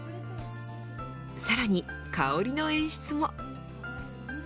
さらに、香りの演出も。